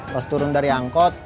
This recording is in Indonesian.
pas turun dari angkot